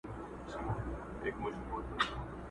هم په زور او هم په ظلم آزمېیلي٫